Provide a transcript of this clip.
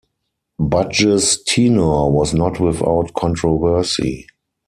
Budge's tenure was not without controversy.